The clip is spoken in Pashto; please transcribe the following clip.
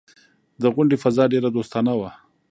د غونډې فضا ډېره دوستانه وه.